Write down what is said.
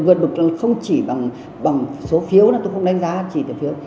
vượt bực không chỉ bằng số phiếu tôi không đánh giá chỉ từ phiếu